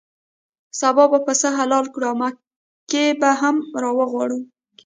سبا به پسه حلال کړو او مکۍ به هم راوغواړو.